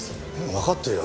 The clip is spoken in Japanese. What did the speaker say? わかってるよ。